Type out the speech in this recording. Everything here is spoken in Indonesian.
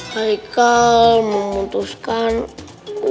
haikal memutuskan untuk